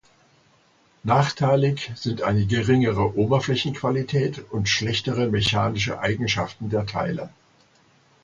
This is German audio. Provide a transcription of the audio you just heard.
Nachteilig sind eine geringere Oberflächenqualität und schlechtere mechanische Eigenschaften der Teile.